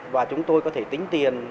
và chúng tôi có thể tính tiền